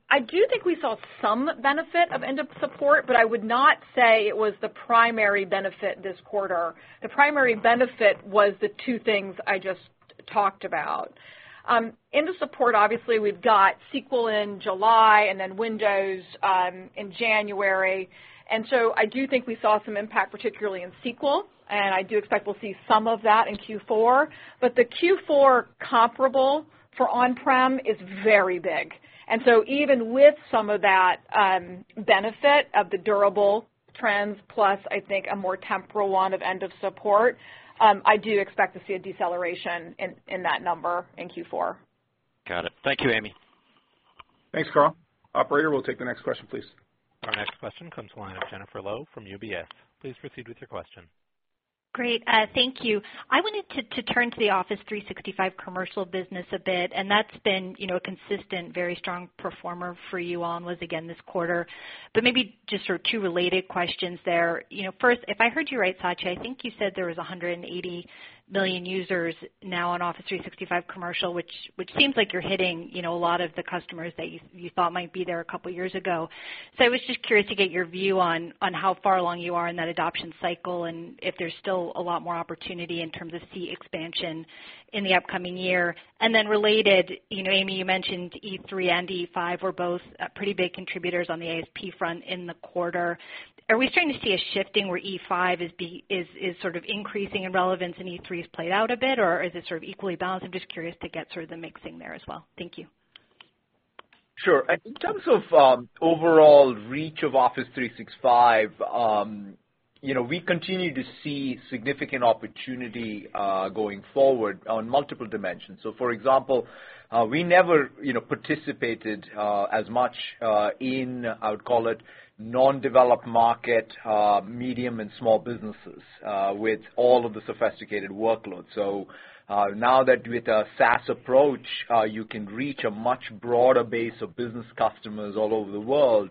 I do think we saw some benefit of end of support, but I would not say it was the primary benefit this quarter. The primary benefit was the two things I just talked about. End of support, obviously, we've got SQL in July and then Windows in January. I do think we saw some impact, particularly in SQL, and I do expect we'll see some of that in Q4. The Q4 comparable for on-prem is very big. Even with some of that, benefit of the durable trends plus, I think, a more temporal one of end of support. I do expect to see a deceleration in that number in Q4. Got it. Thank you, Amy. Thanks, Karl. Operator, we'll take the next question, please. Our next question comes the line of Jennifer Lowe from UBS. Please proceed with your question. Great. Thank you. I wanted to turn to the Office 365 Commercial business a bit, and that's been, you know, a consistent, very strong performer for you, on was again this quarter. Maybe just sort of two related questions there. You know, first, if I heard you right, Satya, I think you said there was 180 million users now on Office 365 Commercial, which seems like you're hitting, you know, a lot of the customers that you thought might be there a couple years ago. I was just curious to get your view on how far along you are in that adoption cycle and if there's still a lot more opportunity in terms of seat expansion in the upcoming year. Related, you know, Amy, you mentioned E3 and E5 were both pretty big contributors on the ASP front in the quarter. Are we starting to see a shifting where E5 is increasing in relevance and E3 has played out a bit, or is it sort of equally balanced? I'm just curious to get sort of the mixing there as well. Thank you. Sure. In terms of overall reach of Office 365, you know, we continue to see significant opportunity going forward on multiple dimensions. For example, we never, you know, participated as much in, I would call it non-developed market, medium and small businesses, with all of the sophisticated workloads. Now that with a SaaS approach, you can reach a much broader base of business customers all over the world,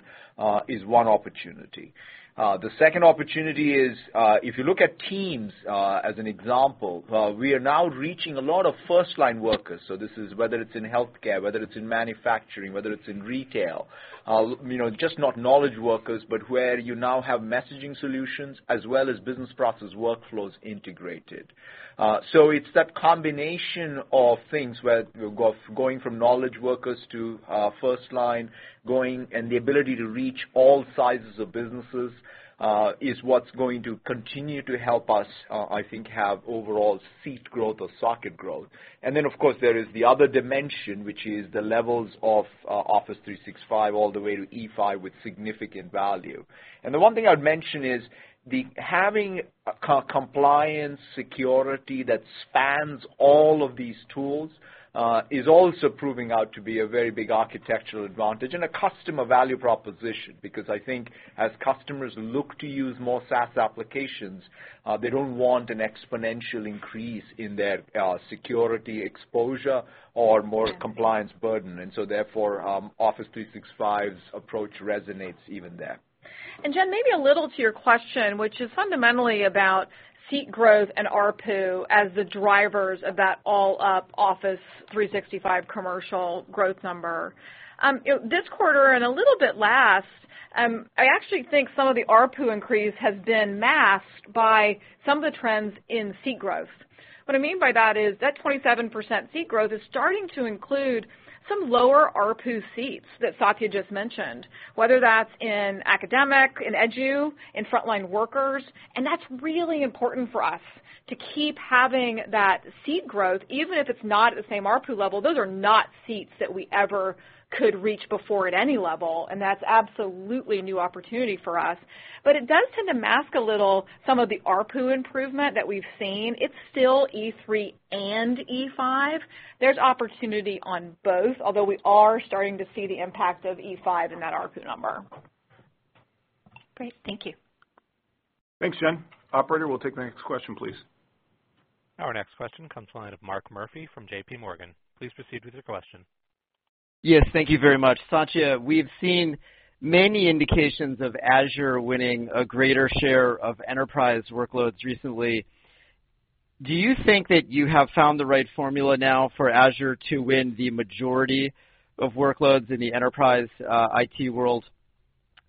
is one opportunity. The second opportunity is, if you look at Teams, as an example, we are now reaching a lot of first-line workers. This is whether it's in healthcare, whether it's in manufacturing, whether it's in retail, you know, just not knowledge workers, but where you now have messaging solutions as well as business process workflows integrated. It's that combination of things where you're going from knowledge workers to first line. The ability to reach all sizes of businesses is what's going to continue to help us, I think, have overall seat growth or socket growth. Then, of course, there is the other dimension, which is the levels of Office 365, all the way to E5 with significant value. The one thing I'd mention is the having core compliance security that spans all of these tools is also proving out to be a very big architectural advantage and a customer value proposition, because I think as customers look to use more SaaS applications, they don't want an exponential increase in their security exposure or more compliance burden. Therefore, Office 365's approach resonates even there. Jen, maybe a little to your question, which is fundamentally about seat growth and ARPU as the drivers of that all up Office 365 Commercial growth number. This quarter and a little bit last, I actually think some of the ARPU increase has been masked by some of the trends in seat growth. What I mean by that is that 27% seat growth is starting to include some lower ARPU seats that Satya just mentioned, whether that's in academic, in edu, in frontline workers, and that's really important for us to keep having that seat growth, even if it's not at the same ARPU level. Those are not seats that we ever could reach before at any level, and that's absolutely a new opportunity for us. It does tend to mask a little some of the ARPU improvement that we've seen. It's still E3 and E5. There's opportunity on both, although we are starting to see the impact of E5 in that ARPU number. Great. Thank you. Thanks, Jen. Operator, we'll take the next question, please. Our next question comes the line of Mark Murphy from JPMorgan. Please proceed with your question. Yes. Thank you very much. Satya, we've seen many indications of Azure winning a greater share of enterprise workloads recently. Do you think that you have found the right formula now for Azure to win the majority of workloads in the enterprise IT world?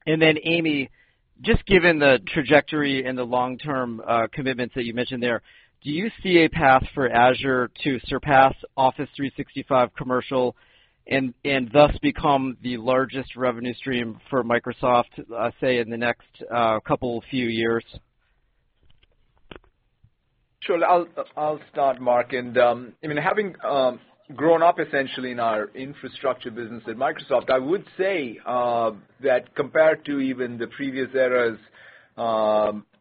Amy, just given the trajectory and the long-term commitments that you mentioned there, do you see a path for Azure to surpass Office 365 Commercial and thus become the largest revenue stream for Microsoft, say in the next couple few years? Sure. I'll start, Mark. I mean, having grown up essentially in our infrastructure business at Microsoft, I would say that compared to even the previous eras,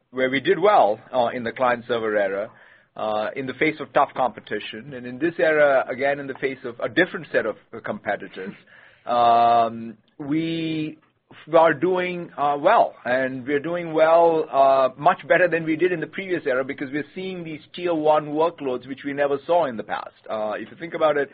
where we did well, in the client-server era, in the face of tough competition, and in this era, again, in the face of a different set of competitors, we are doing well, and we're doing well much better than we did in the previous era because we're seeing these tier one workloads, which we never saw in the past. If you think about it,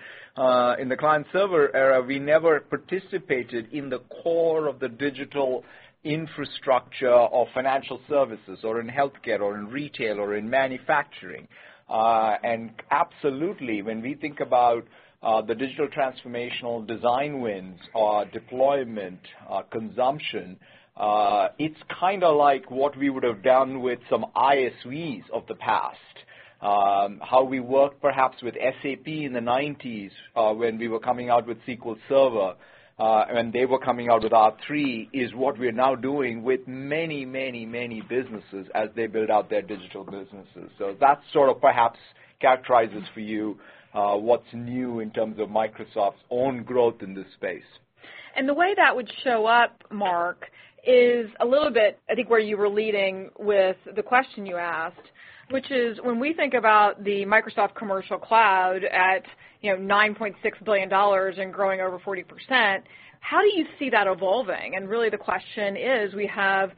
in the client-server era, we never participated in the core of the digital infrastructure of financial services, or in healthcare, or in retail, or in manufacturing. Absolutely, when we think about the digital transformational design wins or deployment, consumption, it's kind of like what we would have done with some ISVs of the past. How we work, perhaps with SAP in the 1990s, when we were coming out with SQL Server, and they were coming out with R/3 is what we're now doing with many businesses as they build out their digital businesses. That sort of perhaps characterizes for you what's new in terms of Microsoft's own growth in this space. The way that would show up, Mark, is a little bit, I think, where you were leading with the question you asked, which is when we think about the Microsoft commercial cloud at, you know, $9.6 billion and growing over 40%, how do you see that evolving? Really the question is, we have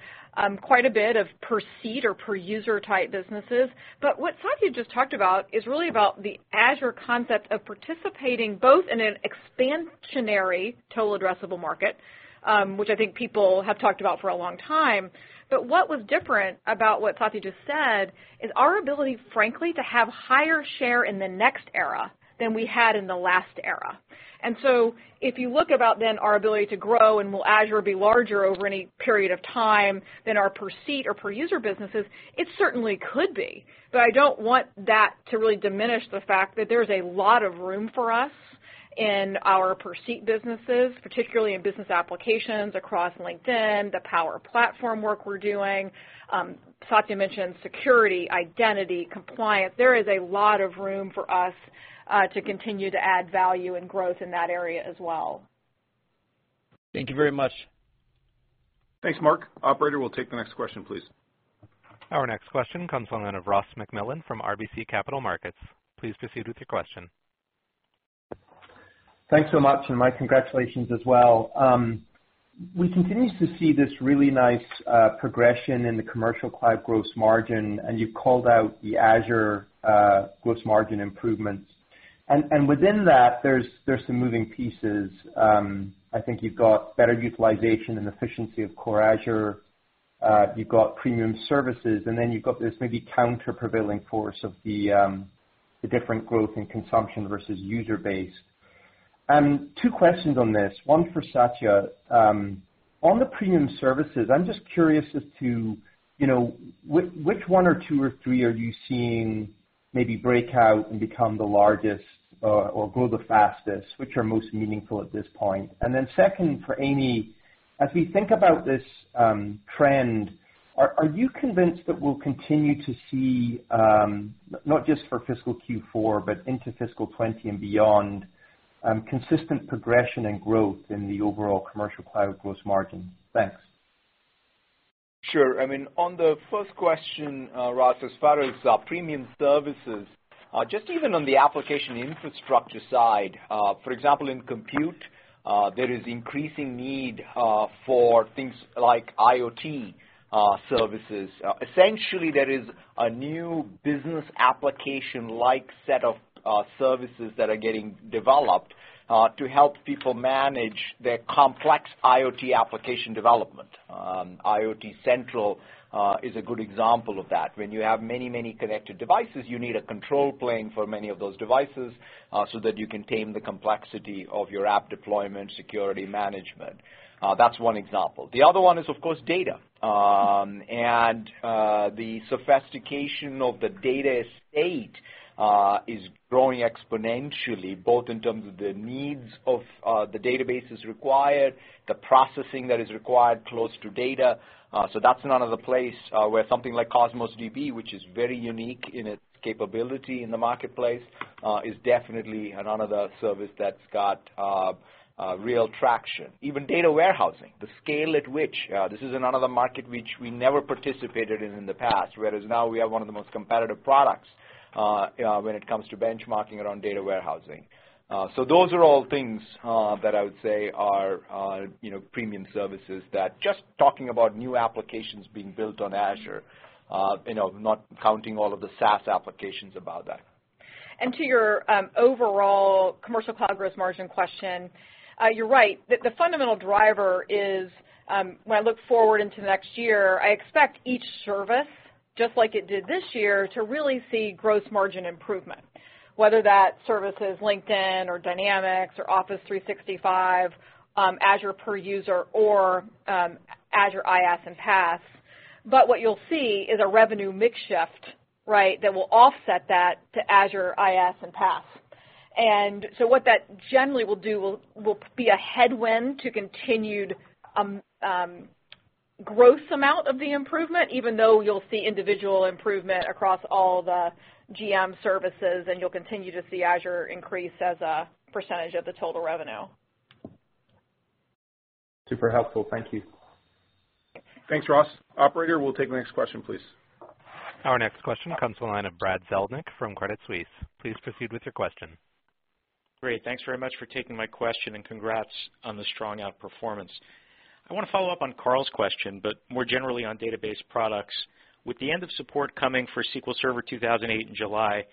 quite a bit of per seat or per user type businesses. What Satya just talked about is really about the Azure concept of participating both in an expansionary total addressable market, which I think people have talked about for a long time. What was different about what Satya just said is our ability, frankly, to have higher share in the next era than we had in the last era. If you look about then our ability to grow and will Azure be larger over any period of time than our per-seat or per-user businesses, it certainly could be. I don't want that to really diminish the fact that there's a lot of room for us in our per-seat businesses, particularly in business applications across LinkedIn, the Power Platform work we're doing. Satya mentioned security, identity, and compliance. There is a lot of room for us to continue to add value and growth in that area as well. Thank you very much. Thanks, Mark. Operator, we'll take the next question, please. Our next question comes on the line of Ross MacMillan from RBC Capital Markets. Please proceed with your question. Thanks so much, and my congratulations as well. We continue to see this really nice progression in the Commercial Cloud gross margin, and you called out the Azure gross margin improvements. Within that, there are some moving pieces. I think you've got better utilization and efficiency of core Azure. You've got premium services, and then you've got this maybe counter prevailing force of the different growth in consumption versus user base. Two questions on this. One for Satya. On the premium services, I'm just curious as to which one or two or three are you seeing maybe break out and become the largest or grow the fastest, which are most meaningful at this point? Second, for Amy, as we think about this trend, are you convinced that we'll continue to see not just for fiscal Q4, but into fiscal 2020 and beyond, consistent progression and growth in the overall commercial cloud gross margin? Thanks. Sure. I mean, on the first question, Ross, as far as premium services, just even on the application infrastructure side. For example, in Compute, there is increasing need for things like IoT services. Essentially, there is a new business application-like set of services that are getting developed to help people manage their complex IoT application development. IoT Central is a good example of that. When you have many, many connected devices, you need a control plane for many of those devices so that you can tame the complexity of your app deployment security management. That's one example. The other one is, of course, data. The sophistication of the data estate is growing exponentially, both in terms of the needs of the databases required, the processing that is required close to data. That's another place where something like Cosmos DB, which is very unique in its capability in the marketplace, is definitely another service that's got a real traction. Even data warehousing, the scale at which this is another market which we never participated in in the past, whereas now we have one of the most competitive products when it comes to benchmarking around data warehousing. Those are all things that I would say are, you know, premium services that just talking about new applications being built on Azure, you know, not counting all of the SaaS applications about that. To your overall commercial cloud gross margin question, you're right. The fundamental driver is, when I look forward into next year, I expect each service, just like it did this year, to really see gross margin improvement, whether that service is LinkedIn or Dynamics or Office 365, Azure per user or Azure IaaS and PaaS. What you'll see is a revenue mix shift, right, that will offset that to Azure IaaS and PaaS. What that generally will do will be a headwind to continued gross amount of the improvement, even though you'll see individual improvement across all the GM services, and you'll continue to see Azure increase as a percentage of the total revenue. Super helpful. Thank you. Thanks, Ross. Operator, we'll take the next question, please. Our next question comes to the line of Brad Zelnick from Credit Suisse. Please proceed with your question. Great. Thanks very much for taking my question, and congrats on the strong outperformance. I wanna follow up on Karl's question, but more generally on database products. With the end of support coming for SQL Server 2008 in July,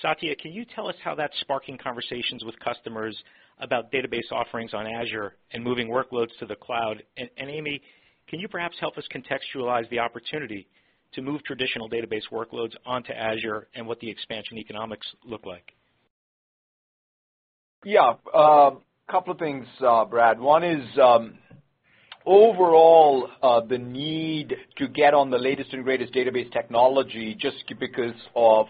Satya, can you tell us how that's sparking conversations with customers about database offerings on Azure and moving workloads to the cloud? Amy, can you perhaps help us contextualize the opportunity to move traditional database workloads onto Azure and what the expansion economics look like? Couple of things, Brad. One is, overall, the need to get on the latest and greatest database technology just because of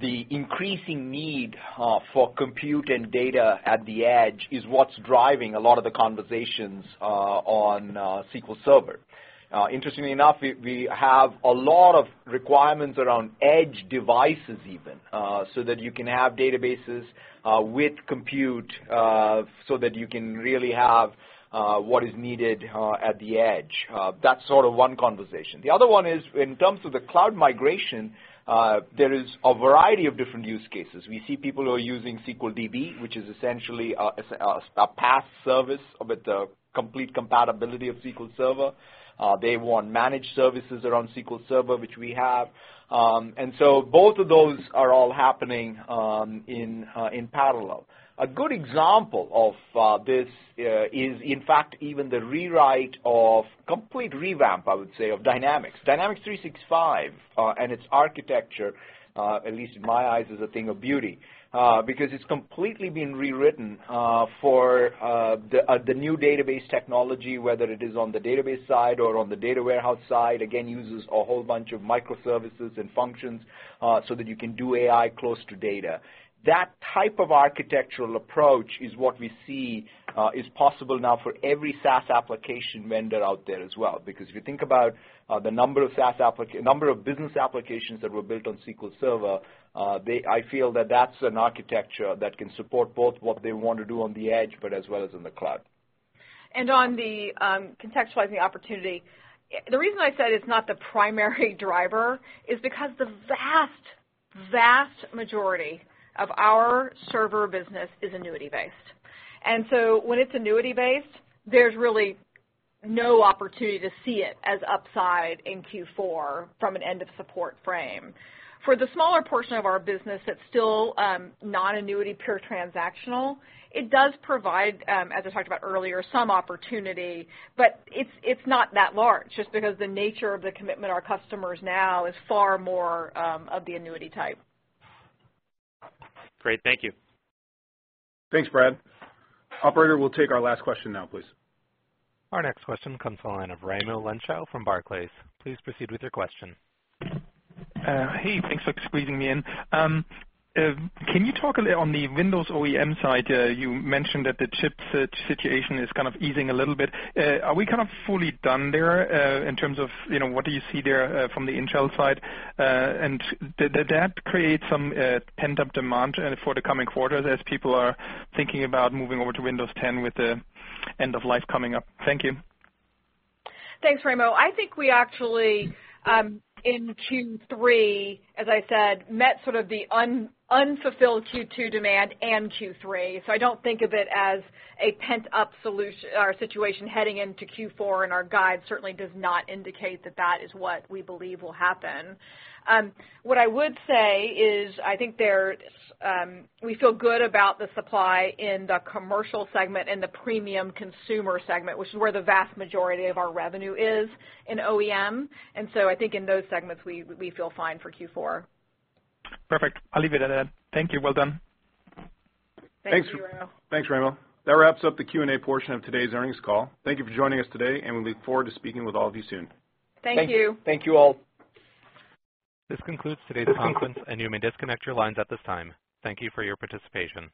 the increasing need for compute and data at the edge is what's driving a lot of the conversations on SQL Server. Interestingly enough, we have a lot of requirements around edge devices even, so that you can have databases with compute, so that you can really have what is needed at the edge. That's sort of one conversation. The other one is in terms of the cloud migration, there is a variety of different use cases. We see people who are using SQL DB, which is essentially a PaaS service with the complete compatibility of SQL Server. They want managed services around SQL Server, which we have. Both of those are all happening in parallel. A good example of this is in fact even the rewrite of complete revamp, I would say, of Dynamics. Dynamics 365 and its architecture, at least in my eyes, is a thing of beauty, because it's completely been rewritten for the new database technology, whether it is on the database side or on the data warehouse side, again, uses a whole bunch of microservices and functions, so that you can do AI close to data. That type of architectural approach is what we see is possible now for every SaaS application vendor out there as well. If you think about, the number of SaaS...business applications that were built on SQL Server, I feel that that's an architecture that can support both what they want to do on the edge, but as well as in the cloud. On the, contextualizing the opportunity, the reason I said it's not the primary driver is because the vast majority of our server business is annuity-based. When it's annuity-based, there's really no opportunity to see it as upside in Q4 from an end of support frame. For the smaller portion of our business that's still, non-annuity pure transactional, it does provide, as I talked about earlier, some opportunity, but it's not that large, just because the nature of the commitment our customers now is far more, of the annuity type. Great. Thank you. Thanks, Brad. Operator, we'll take our last question now, please. Our next question comes on the line of Raimo Lenschow from Barclays. Please proceed with your question. Hey, thanks for squeezing me in. Can you talk a bit on the Windows OEM side? You mentioned that the chip situation is kind of easing a little bit. Are we kind of fully done there, in terms of, you know, what do you see there, from the Intel side? Did that create some pent-up demand for the coming quarters as people are thinking about moving over to Windows 10 with the end of life coming up? Thank you. Thanks, Raimo. I think we actually in Q3, as I said, met sort of the unfulfilled Q2 demand and Q3. I don't think of it as a pent-up solution or situation heading into Q4, and our guide certainly does not indicate that that is what we believe will happen. What I would say is I think there we feel good about the supply in the commercial segment and the premium consumer segment, which is where the vast majority of our revenue is in OEM. I think in those segments, we feel fine for Q4. Perfect. I'll leave it at that. Thank you. Well done. Thank you, Raimo. Thanks, Raimo. That wraps up the Q&A portion of today's earnings call. Thank you for joining us today, and we look forward to speaking with all of you soon. Thank you. Thank you. Thank you all. This concludes today's conference, and you may disconnect your lines at this time. Thank you for your participation.